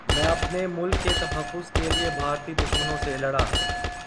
میں اپنے ملک کے تحفظ کے لیے بھارتی دشمنوں سے لڑا